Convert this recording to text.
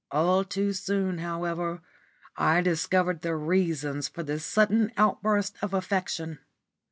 All too soon, however, I discovered the reasons for this sudden outburst of affection.